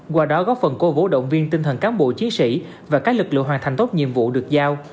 qua đó góp phần cố vũ động viên tinh thần cán bộ chiến sĩ và các lực lượng hoàn thành tốt nhiệm vụ được giao